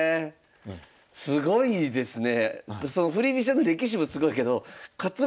すごいですね。